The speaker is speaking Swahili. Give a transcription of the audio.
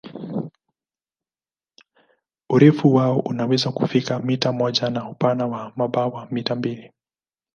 Urefu wao unaweza kufika mita moja na upana wa mabawa mita mbili.